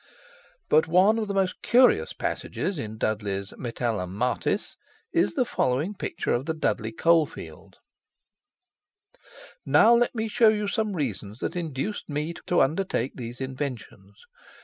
But one of the most curious passages in Dudley's Metallum Martis, is the following picture of the Dudley coal field: "Now let me show some reasons that induced me to undertake these inventions.